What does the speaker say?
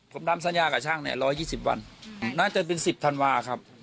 ผมทำสัญญากับช่างเนี่ย๑๒๐วันน่าจะเป็น๑๐ธันวาครับ